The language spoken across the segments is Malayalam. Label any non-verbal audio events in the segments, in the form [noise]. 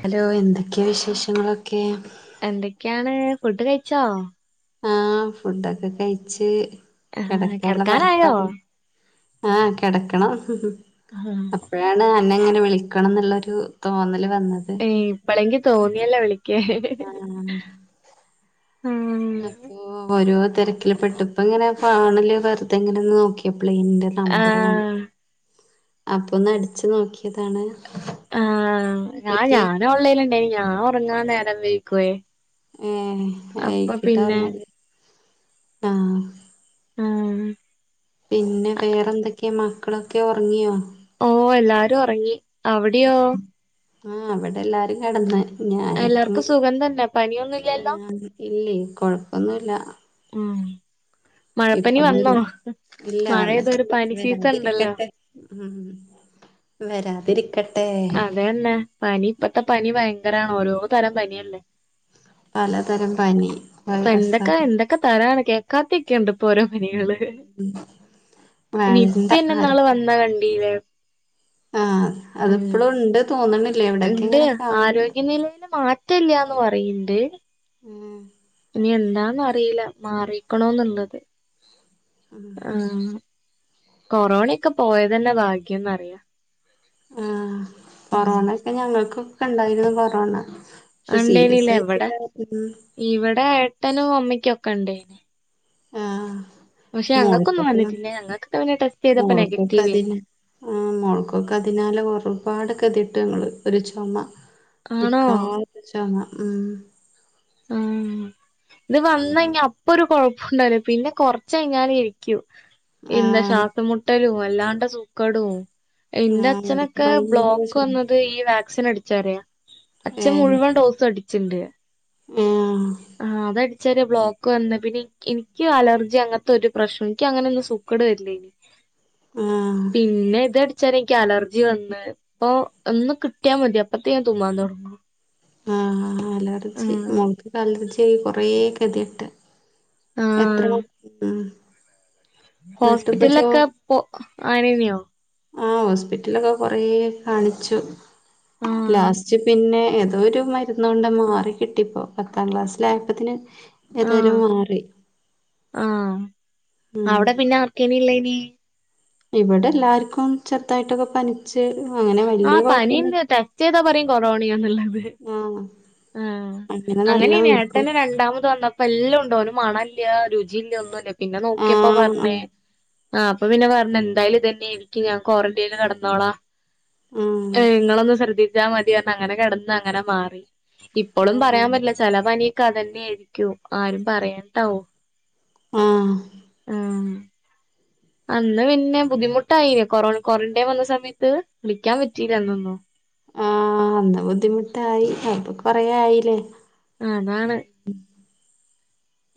ഹലോ എന്തൊക്കെ വിശഷങ്ങളൊകേം എന്തൊക്കെയാണ് ഫുഡ് കഴിച്ചോ. ആഹ് ഫുഡൊക്കെ കഴിച്ച് ആ കെടക്കള കിടക്കാനായോ? പോരപ്പാടിലാ ആഹ് കെടക്കണം ആ അപ്പഴാ അതാണ് എന്നെ ഇങ്ങനെ വിളിക്കണം എന്നുളൊരു തോന്നൽ വന്നത് ഏയ് ഇപ്പളെങ്കി തോന്നിയല്ലോ വിളിക്കാൻ ആഹ് അപ്പോ ഓരോ തെര്ക്കിൽ പെട്ടപ്പങ്ങനെ ഫാണ്ല് വെർതെങ്ങനെന്ന് നോക്കിയപ്പളെ ന്റ ആ ആ നമ്പർ ക അപ്പൊന്ന് അടിച്ചു നോക്കിയതാണ് ആഹ് ഞ എന്തൊക്കെ ഞാന് ഓൺലൈനിൽ ഇണ്ടനി ഞാൻ ഉറങ്ങാൻ നേരം വൈകുയെ ഉം വഴക്കിട്ടാറഞ്ഞാല് ആഹ് ആഹ് പിന്നെ വേറെ എന്തൊക്കെ മക്കളൊക്കെ ഉറങ്ങിയോ ഓ എല്ലാരും ഒറങ്ങി അവിടെയോ ആഹ് അവിടെ എല്ലാരും കടന്ന് ഞൻ ഇപ്പം, എല്ലാർക്കും സുഖം തന്നെ പനിയൊന്നുംല്ലല്ലോ? ആഹ് ഇല്ലേയ് കൊയപ്പൊന്നുല്ല ഉം മഴപനി വന്നോ ഇപ്പൊന്നുല്ല ഇല്ല മഴ പെയ്താ ഒരു വന്നിട്ടില്ല പനി സീസൺണ്ടല്ലോ വരാതിരിക്കട്ടെ ഉം വരാതിരിക്ക അതെന്നെ പനി ഇപ്പത്തെ പനി ഭയങ്കരണോരോ തരം പനിയല്ലേ പലതരം പനി വൈറസ്സാ ഒക്കെ തരാണ് കെക്കാത്തിക്കണ്ട് ഇപ്പോ ഓരോ പനികള് വേണ്ട നിപ്പന്നെ ഇന്നാള് വന്ന കണ്ടീലെ ആ അത്പ്പളും ഉണ്ട് തോന്നണില്ലേ ഇവിടൊക്കെ ണ്ട് ഇങ്ങനെ കാണുന്നു ആരോഗ്യനിലയില് മാറ്റല്ലാന്ന് പറയ്‌ണ്ട് ഉം ഇനി എന്താന്നറിയില മാറിക്ക്ണോന്ന്ള്ളത് ആഹ് കൊറോണൊക്കെ പോയതെന്നെ ഭാഗ്യന്നറിയ ആ കൊറോണ ഒക്കെ ഞങ്ങൾക്കോക്കെ ഉണ്ടായിരുന്നു കൊറോണ പക്ഷെ സീരിയസ് ആയിട്ടില്ല ഉം ഇവടെ ഏട്ടനും അമ്മയ്ക്കൊക്കെ ഇണ്ടേയ്ന് ആഹ് പക്ഷെ ഞങ്ങക്കൊന്നും മോൾക്കൊക്കെ വന്നിട്ടില്ലേ ഞങ്ങക്കൊക്കെ പിന്നെ ട്ടെസ്റ്റ് ചെയ്തപ്പോ മോൾക്കൊക്കെ നെഗറ്റിവെനി അതിന് ആ മോൾക്കൊക്കെ അതിനാലെ ഒരുപാട് കെതിയട്ട് ഞങ്ങള് ഒരു ചൊമ ആണോ നിക്കാതെ ചൊമ ഉം ആ ഇത് വന്നയിഞ്ഞ അപ്പൊരു കൊഴപ്പുണ്ടവുല പിന്നെ കൊർച്ചയിഞ്ഞാലേര് ക്കും ആ എന്താ ശ്വാസം മുട്ടലും വല്ലാണ്ട് സൂക്കടും ആ ഇന്റെ അവർക്ക് അച്ഛനൊക്കെ ഭയങ്കര ബ്ലോക്ക് ചുമ വന്നത് ഈ വാക്സിനടിചാരയാ അച്ഛൻ മുഴുവൻ ഡോസും അടിച്ചിണ്ട് ആഹ് ആ അതടി ചെരാ ബ്ലോക്ക് വന്ന് പിന്നെ ഇൻക്ക് അലർജി അങ്ങൻത്തെ ഒരു പ്രശ്നം ഇൻക്ക് അങ്ങനെന്നും സുക്കെട് വര്ല്ലേനി ആ പിന്നെ ഇതട് [unintelligible] അലർജി വന്ന് ഇപ്പൊ ഒന്ന് കിട്ടിയാ മതി അപ്പത്തെക്ക് ഞാൻ തുമ്മാൻ തൊടങ്ങും ആഹ് അലർജി ആഹ് മോൾക്കൊക്കെ അലർജി കൊറേ കെതിയെട്ട് എത്ര ആഹ് ഉം എന്നിട്ടിപ്പ ചോ ഹോസ്പിറ്റലിലൊക്കെ പോ [unintelligible] ആ ഹോസ്പിറ്റലൊക്കെ കൊറേ കാണിച്ചു ആഹ് ലാസ്റ്റ് പിന്നെ ഏതോരു മരുന്ന് കൊണ്ട മാറി കിട്ടിപ്പോ പത്താം ക്ലാസ്സിലായപ്പത്തിന് ആഹ് ഏതായാലും മാറി ആഹ് ഉം അവടെ പിന്നെ ആർക്കേനി ഇല്ലെനി ഇവിടെ എല്ലാർക്കും ചെറുതായിട്ടൊക്കെ പനി ച് [unintelligible] ആഹ് പനിണ്ട് ടെസ്റ്റെയ്ത പറിം കൊറോണയാന്നുള്ളത് [unintelligible] ആ അങ്ങനെ നല്ല അങ്ങനെയ്നി വയ്ക്കും ഏട്ടന് രണ്ടാമത് വന്ന പ്പല്ലോണ്ടോന് മണല്ല രുചില്ല ഒന്നുല്ല പിന്നെ നോക്കിയപ്പോ ആഹ് പർഞ് ആഹ് ആ അപ്പൊ പിന്നെ പറഞ്ഞ് എന്തായാലും ഇതന്നെ എനിക്ക് ഞാൻ ക്വാറന്റൈനിൽ കടന്നോളാ ആഹ് നിങ്ങളൊന്ന് ശ്രദ്ധിച്ചാ മതിയാ അങ്ങനെ കിടന്ന് അങ്ങനെ മാറി ഇപ്പോളും ആഹ് ആഹ് പറയാൻ പറ്റില്ല. ചെല പനിയൊക്കെ അതനേയിരിക്കും. ആരും പറയാൻടാവു ആഹ് ആഹ് അന്ന് പിന്നെ ബുദ്ധിമുട്ടായിനോ കൊറോ ക്വാറന്റൈൻ വന്ന സമയത്ത് വിളിക്കാൻ പറ്റിയില്ല അന്നൊന്നും ആ അന്ന് ബുദ്ധിമുട്ടായി അപ്പ കൊറെ ആയിലെ അതാണ്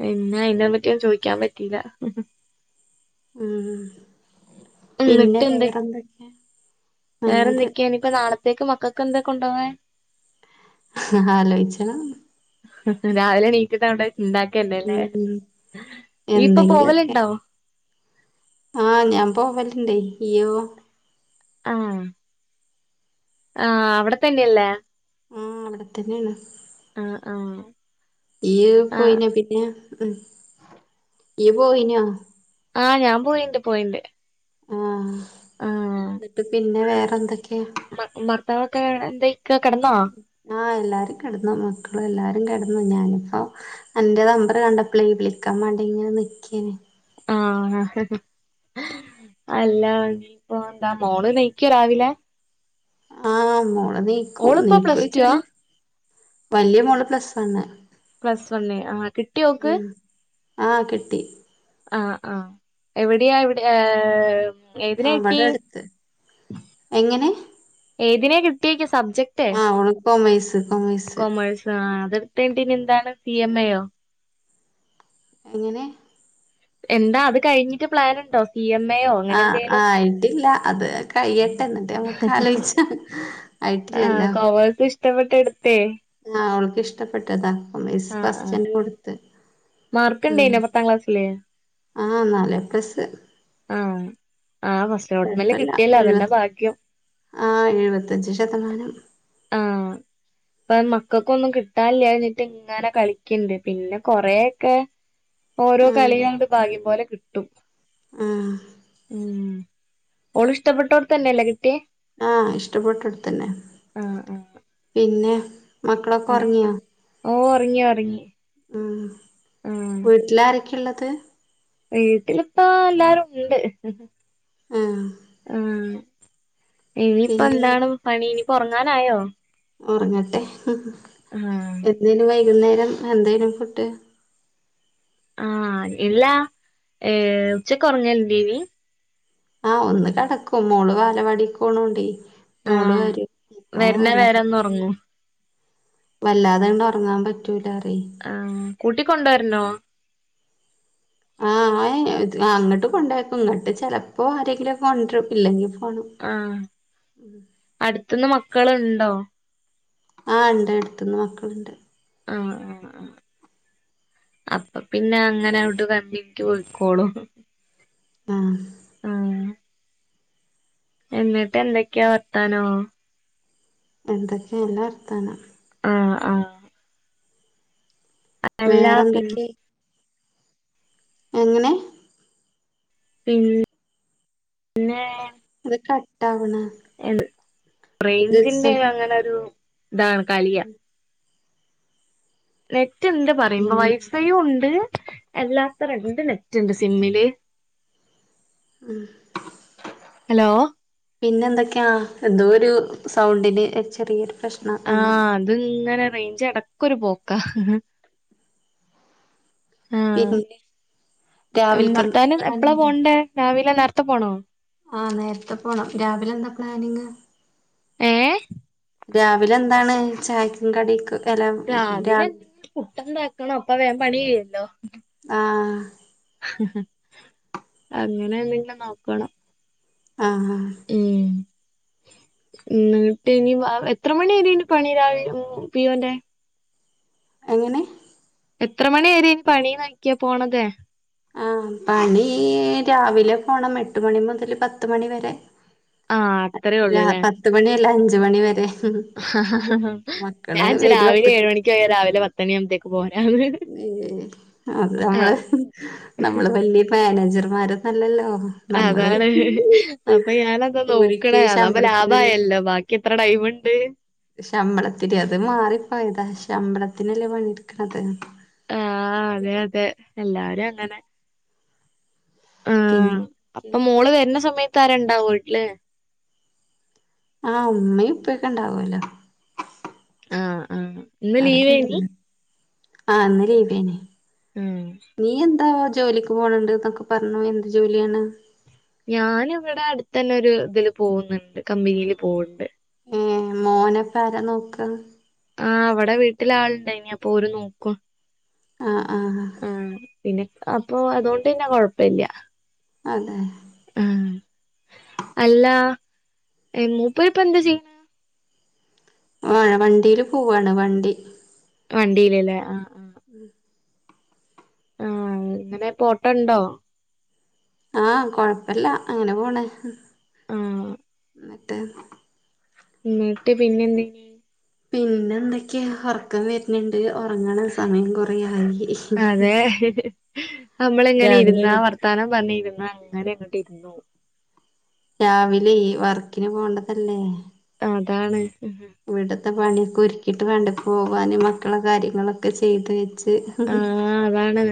പിന്നെ അയിനെ പറ്റിയൊന്നും ചോയിക്കാൻ പറ്റീല ഉം പിന്നെ വേറെന്തൊക്കെയാ നല്ലത് വേറെന്തൊക്കെയ ഇനിയിപ്പോ നാളത്തേക്ക് മക്കക്ക് എന്തൊ കൊണ്ടോവാൻ ന്നട്ടാലോയ്ച്ചണം രാവിലെണീറ്റിട്ടങ്ങട്ട് ഇണ്ടാക്കന്നെ ലേ... ഉം ഇയ്യ് പ്പൊ പോവല്ണ്ടോ? ആ ഞാൻ പോവല്ണ്ടേയ് ഇയ്യോ ആ അവിടെത്തന്നെയല്ലേ ഉം.. അവിടെത്തന്നേണ് ആഹ് ആഹ് ഇയ്യ് ആഹ് പോയിന പിന്നെ ഉം ഇയ്യ് പോയിന ആ ഞാൻ പോയിണ്ട് പോയിണ്ട് ആഹ്.. ആഹ് ന്നിട്ട് പിന്നെ വേറെ എന്തൊക്കെയാ ഭർത്താവൊക്കെ എന്ത ക്ക കടന്നോ ആ എല്ലാരും കിടന്നു മക്കള് എല്ലാരും കിടന്നു ഞാനിപ്പോ അന്റെ നമ്പറ് കണ്ടപ്പേയ് വിളിക്കാൻ വേണ്ടി ഇങ്ങനെ നിക്കേനി ആ അല്ല പ്പോ എന്താ മോള് എനിക്കോ രാവിലെ ആ മോള് നീക്കും ഓളിപ്പോ പ്ലസ് ടു ആ നീകോച്ചാല് വലിയ മോള് പ്ലസ് വൺ അല്ലെ പ്ലസ് വണ്ണ് ആ കിട്വോക്ക്? ആഹ് കിട്ടി ആഹ് ആഹ് എവിടെയാ എവിടെ ഏം ഏതിനെ ആഹ് ഇവടെ കിട്ടി അടുത്ത് എങ്ങനെ ഏതിനെ കിടിയെക്ക് സബ്ജക്ട് ആഹ് ഓള് കൊമേഴ്സ് ന്റെ കൊമേഴ്സ് കൊമേഴ്സ് അതെടുത്തുകഴിഞ്ഞിട്ട് ഇനി എന്താണ് സി എം യോ എങ്ങനെ എന്താ അത് കഴിഞ്ഞിട്ട് പ്ലാൻ ഉണ്ടോ പി എം എ ഒ ആ ആയിട്ടില്ല. അത് കൈയ്യട്ടെ ന്നട്ട് നമ്മക്ക് ആലോയ്ച്ച ആയിട്ടില്ലല്ലോ എവടെ എടുത്തെയ് ആ ഓൾക്കിഷ്ടപ്പെട്ടതാ കൊമേഴ്സ് ഫസ്റ്റ്ന്നേ കൊടുത്ത് ഉം മാർക്ക്ണ്ടിന പത്താം ക്ലാസ്സില് ആഹ് നാല് എ പ്ലസ് ആഹ ആഹാ ഫാസ് കുഴപ്പല്ല ആ എഴുപത്തഞ്ച് ശതമാനം ആഹ് പ്പം മക്കൾക്കൊന്നും കിട്ടാല്ല ഞ്ഞിട്ട് ഇങ്ങനെ കളിക്കണ്ട് പിന്നെ കൊറൊക്കെ ഓരോ ഉം കളിയുംഅങ്ങട് ഭാഗ്യം പോലെ കിട്ടും. ആഹ് ഉം ഓള് ഇഷ്ടപ്പെട്ടോട്തന്നെല്ലേ കിട്ടിയത് ആഹ് ഇഷ്ടപ്പെട്ട്ട്ത്തന്നെ. ആഹ് ആഹ് പിന്നെ മക്കളൊക്കെ ഒറങ്യോ ഓ ഒർങ്ങി ഒർങ്ങി ഉം വീട്ടില് ആാരൊക്കെയ ഉള്ളത് വീട്ടിലിപ്പ എല്ലാരും ഉണ്ട് ഏ ആഹ്. പിന്നെ ഇനിയിപ്പന്താണ് പണി ഇനി പ്പൊർങ്ങാനായോ? ഒറങ്ങട്ടെ എന്തേനു വൈകുന്നേരം എന്തേനു ഫുഡ്‌ ആഹ് എല്ലാ ഏ ഉച്ചക്ക് ഒറങ്ങലിണ്ടേനി ആ ഒന്ന് കേടക്കും മോള് വാലവാടിക്ക് പോകുന്നത് ഓണ്ട് മോള് ആഹ് വരും ഓ വരണ അല്ല വരെ ഒന്ന് ഒറങ്ങും വല്ലാതെണ്ട് അർങ്ങാൻ പറ്റൂലാറ്യയ് ആ കൂട്ടിക്കൊണ്ടുരന്നോ ആ അങ്ങട്ട് കൊണ്ടാക്കും ഇങ്ങട്ട് ചെലപ്പോ ആരെങ്കിലുംക്കെ കൊണ്ടരും. ഇല്ലെങ്കി ഫോണ് ആ അടുത്തന്ന് മക്കളുണ്ടോ ആണ്ട് എട്ത്ത്ന്ന് മക്കള്ണ്ട് ആഹ് ആഹ് ആഹ് അപ്പോ പിന്നെ അങ്ങനെ ആവുടു കഞ്ഞിക്ക് പൊയ്ക്കോളും ആഹ് ആഹ് എന്നിട്ട് എന്തൊക്കെയാ വാർത്താനോ. എന്തൊക്കെ നല്ല വർത്താനം. ആഹ് ആഹ് അല്ല പി വേറെന്തൊക്കെ എങ്ങനെ പിൻ പിന്നെ അത് കട്ടാവ്ണ് എന്ത് ഇത് സ റൈഞ്ചിന്റെ അങ്ങനെ ഒരു ഇതാ കളിയ നെറ്റ് ഇണ്ട് പായുമ്പോ ഉം. വൈഫൈയും ഉണ്ട് എല്ലാത്തേ രണ്ട് നെറ്റ് ഇണ്ട് സിമ്മില് ഉം ഹലോ പിന്നെ എന്തൊക്കെയാ എന്തൊരു സൗണ്ടിന് ചെറിയൊരു പ്രശ്നം ആഹ് ആഹ് അത് ഇങ്ങനെ റേഞ്ച് എടക്കൊ ഒരു പോക്ക ആഹ് പിന്നെ മം രാവിൽക്ക് എന്ത് ഭർത്താവിന് എപ്പളാ പ്ലാനുണ്ട് പോണ്ടേ രാവിലെ നേരത്തെ പോണോ. ആഹ് നേരത്തെ പോണം രാവിലെ എന്താ പ്ലാനിങ് ഏ രാവിലെ എന്താണ് ചായക്കും കടിക്കും അല്ല രാ രാവിലെ പുട്ട് ഇണ്ടാക്കണം അപ്പോ വേ പണി കഴിയോലോ ആഹ് [inaudible] അങ്ങനെ എന്തെങ്കിലും നോക്കണം ആഹ് ഉം ഇന്നീട്ടിനി വാ എത്ര മണി വേരെന്‌ രാവിലെ മം പി ഓ ന്റെ എങ്ങനെ എത്ര മണി വരെ ഇനി പണി ചോയ്ക്ക പോണത് ആ പണി രാവിലെ പോണം എട്ട് മണി മുതൽ പത്ത് മണി വരെ ആഹ് അത്രേ രാ ഒള്ളൂല്ലേ? പത്തുമണിയല്ല അഞ്ച് മണി വരെ ഹഹ ആഞാൻ മക്കള് വിചാരിച്ചു വരും രാവിലെ ഏഴ് അപ്പത്തിന് മണിക്ക് പോയ രാവിലെ പത്ത മണി ആകുമ്പഴത്തേക്ക് പോരാന്ന്‌ പിന്നെ അത് നമ്മള് നമ്മള് വലിയ മാനേജർമാരന്നല്ലല്ലോ അതാണ് അപ്പൊഞാന് അതാണ് കൂലിക്ക് നോക്ക്ണ് അതാകുമ്പോ ശമ്പളത്തിനല്ലേ ലാഭായല്ലോ ബാക്കിഎത്ര ടൈം ഇണ്ട് ശമ്പളത്തിന്റെ അത് മാറിപ്പോയതാ ശമ്പളത്തിനല്ലേ പണിഎടുക്ക്ണത് ആ അതെ അതെ എല്ലാരും അങ്ങനെ പിന്നെ ആഅപ്പൊ മോള് വരുന്ന സമയത്ത് ആരാ ഇണ്ടാവവീട്ടില് ആ ഉമ്മയും ഇപ്പൊക്കെ ഇണ്ടാവല്ലോ ആ ആ അവരുണ്ട ല്ലൊആ ഇന്ന് ലീവേന്നു ആഹ് നീ എന്താ ജോലി പോണണ്ട് എന്നൊക്കെ പറഞ്ഞു എന്ത് ജോലിയാണ് ഞാന് ഇവിടെ അടുത്തന്നെ ഒരു ഇതില് പോകുന്നുണ്ട് കമ്പനിൽ പോവണ്ട് ഏഹ് മോന പ്പാര നോക്ക ആ അവിടെ വീട്ടില് ആളുണ്ട് യ്നി അപ്പൊ ഓര് നോക്കും ആ ആ ആപിന്നെ അപ്പൊ അതുകൊണ്ട്പി ന്നെ കൊഴപ്പില്ല അതെ ആ അല്ലാ മൂപ്പർപ്പൊ എന്താചെയ്യ്ണ് ആ വണ്ടീൽ പോവാണ് വണ്ടി വണ്ടിയിലല്ലേ ആ [inaudible] അൻ്റെ പോട്ടോ ണ്ടോ ആഹ് കൊഴപ്പില്ല അങ്ങനെ പോണ് ആഹ് എന്നിട്ട് എന്നിട്ട് പിന്നെ എന്തേ പിന്നെ എന്തൊക്കെയാ ഉറക്കം വരുന്ന്ണ്ട് ഉറങ്ങണ സമയം കൊറേയായി നമ്മള് ങ്ങനെ ഇരുന്നാ എണീറ്റ് വർത്താനം പറഞ്ഞ് ഇരുന്നാ അങ്ങനെ അങ്ങോട്ട് ഇരുന്നു രാവിലെ ഈ വർക്കിന് പോകണ്ടതല്ലേ അതാണ് ഇവിടത്തെ പണിയൊക്കെ ഒരുക്കിയിട്ട് വേണ്ടേ പോകാനും മക്കളെ കാര്യങ്ങളൊക്കെ ചെയ്തു വെച്ച് ആഹ് അതാണ്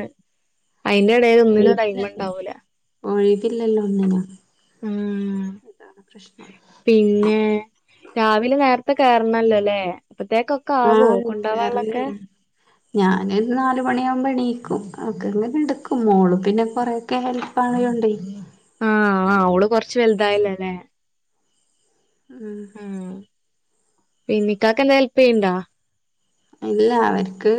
അയിന്റെ എടേല് ഒന്നിനും ടൈം [unintelligible] ഇണ്ടാവൂല ഒഴിപ്പില്ലല്ലോ ഒന്നിനും മ് അതാണ് പ്രശ്നം പിന്നെ രാവിലെ നേരത്തെ കേയറണല്ലോല്ലേ അപ്പത്തേക്കൊ ക്കാവോ കൊണ്ടാവള്ളൊക്കെ ഞാന് ഒരു നാല് മണിയാകുമ്പോ എണീക്കും അവക്കങ്ങ് കെടക്കും മോള് പിന്നെ കൊറേ ഹെൽപാണാലുണ്ട് ആഹ് ആഹ് ഓള് കൊറച്ച് വലുതായല്ലോല്ലേ മ് പിന്നിക്കാക്ക് ന്നെ ഹെൽപെയ്യണ്ട ഇല്ല അവർക്ക്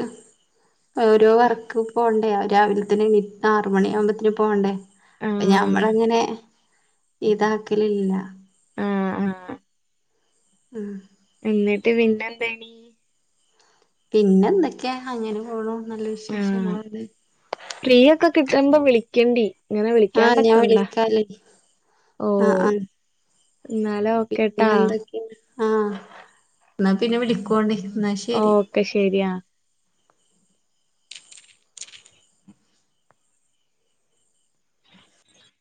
ഓരോ വർക്ക് പോണ്ട ആഹ് രാവിലത്തന്നെ എണിറ്റു ആറുമണിയാകുമ്പത്തന് പോകണ്ടേ അപ്പൊ ആഹ് ഞമ്മളങ്ങനെ ഇതാക്കലില്ല ആഹ് ആഹ് മ് എന്നിട്ട് പിന്നെന്തയിനി പിന്നെ എന്തൊക്കെയാ അങ്ങനെ പോണു നല്ല ആഹ് വിശേഷങ്ങളാണ് ഫ്രീ ഒക്കെ കിട്ടുമ്പോ വിളിക്കെണ്ടി. ഇങ്ങനെ വിളിക്കാൻ ആഹ് ഞാൻ [unintelligible] വിളിക്കാലേ ആഹ് ഓഹ് ആഹ് എന്നാല് ഓക്കേട്ട പിന്നെ എന്തൊക്കെയാ ആഹ് എന്നാ പിന്നെ വിളിക്കുവാണ്ടി എന്നാ ശരി ഓക്കെ ശരിയാ